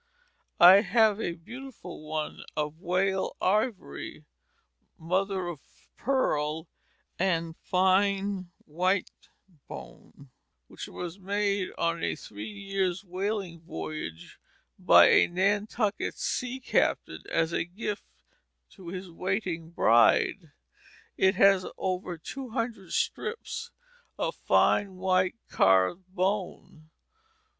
I have a beautiful one of whale ivory, mother of pearl, and fine white bone which was made on a three years' whaling voyage by a Nantucket sea captain as a gift to his waiting bride; it has over two hundred strips of fine white carved bone.